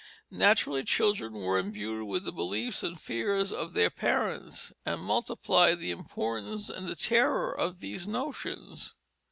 Naturally children were imbued with the beliefs and fears of their parents, and multiplied the importance and the terror of these notions.